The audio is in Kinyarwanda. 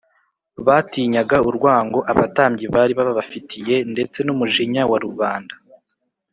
batinyaga urwango abatambyi bari babafitiye ndetse n’umujinya wa rubanda